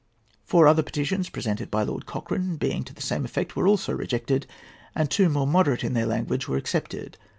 Four other petitions presented by Lord Cochrane, being to the same effect, were also rejected; and two, more moderate in their language, were accepted.